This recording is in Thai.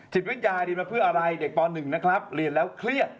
วิทยาดีมาเพื่ออะไรเด็กป๑นะครับเรียนแล้วเครียด